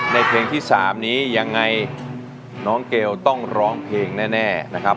เพลงที่๓นี้ยังไงน้องเกลต้องร้องเพลงแน่นะครับ